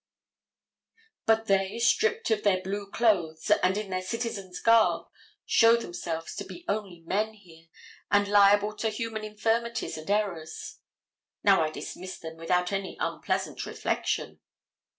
But they, stripped of their blue clothes, and in their citizens' garb, show themselves to be only men here, and liable to human infirmities and errors. Now I dismiss them without any unpleasant reflection.